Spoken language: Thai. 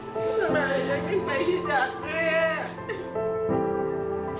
ทำไมแม่ยังไม่ได้อยู่ที่จากเมีย